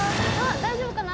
大丈夫かな？